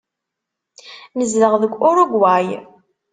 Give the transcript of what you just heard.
Nezdeɣ deg Urugway.